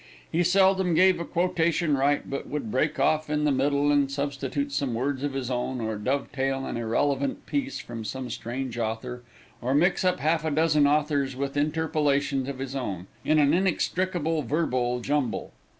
He seldom gave a quotation right, but would break off in the middle and substitute some words of his own, or dovetail an irrelevant piece from some strange author, or mix up half a dozen authors with interpolations of his own, in an inextricable verbal jumble.